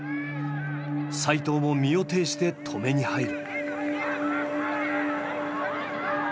齋藤も身をていして止めに入る。